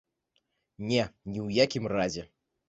Не, ні ў якім разе!